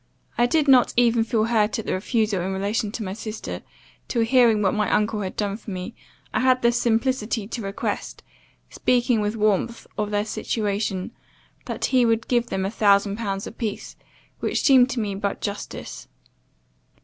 I did not even feel hurt at the refusal in relation to my sister, till hearing what my uncle had done for me, I had the simplicity to request, speaking with warmth of their situation, that he would give them a thousand pounds a piece, which seemed to me but justice.